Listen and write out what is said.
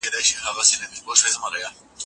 په ساینسي برخو کي حالات یو څه بېل دي.